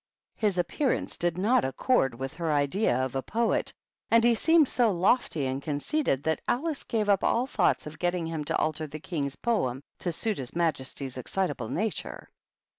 His appearance did not accord with her idea of a poet, and he seemed so lofty and con ceited that Alice gave up all thoughts of getting him to alter the King's poem to suit his majesty's excitable nature.